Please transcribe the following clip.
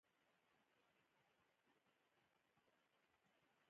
دریم مطلب : د نظام پیژندنه